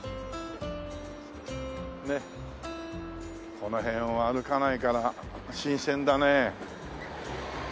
この辺は歩かないから新鮮だね。